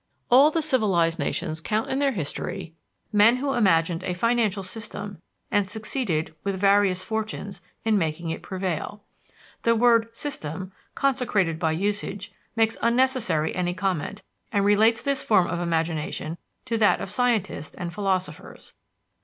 All the civilized nations count in their history men who imagined a financial system and succeeded, with various fortunes, in making it prevail. The word "system," consecrated by usage, makes unnecessary any comment, and relates this form of imagination to that of scientists and philosophers.